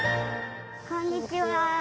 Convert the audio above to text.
こんにちは。